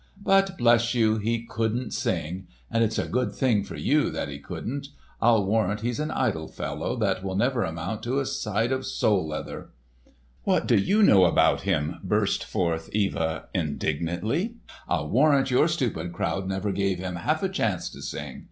But bless you! he couldn't sing—and it's a good thing for you that he couldn't. I'll warrant he's an idle fellow that will never amount to a side of sole leather!" "What do you know about him?" burst forth Eva indignantly. "I'll warrant your stupid crowd never gave him half a chance to sing.